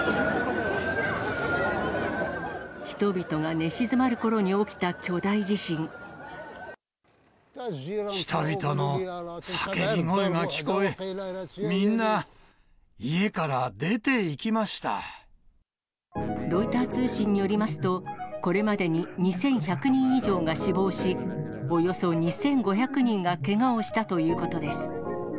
人々が寝静まるころに起きた巨大人々の叫び声が聞こえ、ロイター通信によりますと、これまでに２１００人以上が死亡し、およそ２５００人がけがをしたということです。